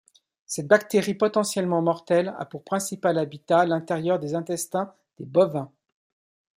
Cette bactérie, potentiellement mortelle, a pour principal habitat l'intérieur des intestins des bovins.